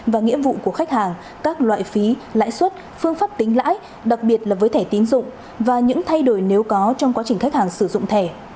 và nghĩa vụ của khách hàng các loại phí lãi suất phương pháp tính lãi đặc biệt là với thẻ tín dụng và những thay đổi nếu có trong quá trình khách hàng sử dụng thẻ